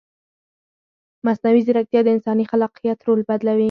مصنوعي ځیرکتیا د انساني خلاقیت رول بدلوي.